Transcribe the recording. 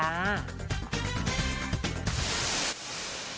เอาเขียนจ้า